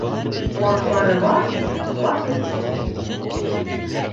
Аҙбары бар, аты юҡ.